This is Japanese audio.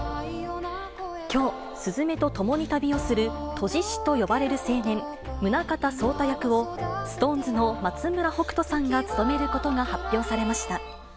きょう、すずめと共に旅をする閉じ師と呼ばれる青年、宗像草太役を、ＳｉｘＴＯＮＥＳの松村北斗さんが務めることが発表されました。